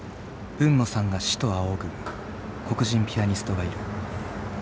海野さんが師と仰ぐ黒人ピアニストがいる。